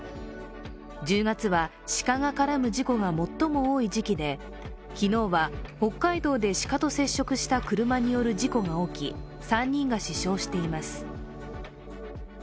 １０月は鹿が絡む事故が最も多い時期で昨日は北海道で鹿と接触した車による事故が起き、３人が死傷しています。